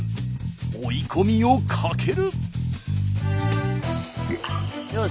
追い込みをかける！よし！